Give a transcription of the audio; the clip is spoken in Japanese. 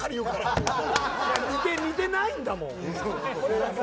似てないんだもん。